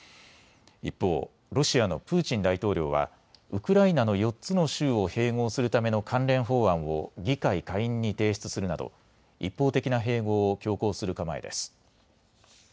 一方、ロシアのプーチン大統領はウクライナの４つの州を併合するための関連法案を議会下院に提出するなど一方的な併合を強行する構えです。